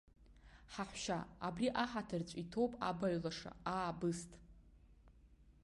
Ҳаҳәшьа, абри аҳаҭарҵә иҭоуп абаҩлаша, аа, бысҭ.